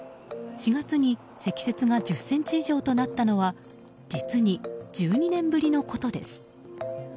４月に積雪が１０ｃｍ以上となったのは実に１２年ぶりのことです。